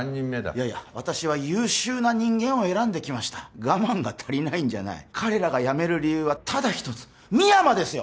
いやいや私は優秀な人間を選んできました我慢が足りないんじゃない彼らが辞める理由はただ一つ深山ですよ